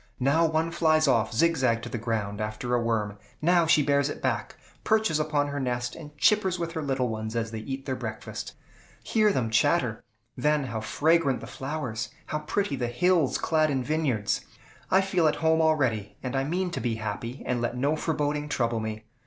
Now one flies off zigzag to the ground, after a worm; now she bears it back, perches upon her nest, and chippers with her little ones as they eat their breakfast. Hear them chatter! Then how fragrant the flowers! How pretty the hills, clad in vineyards! I feel at home already, and I mean to be happy, and let no foreboding trouble me.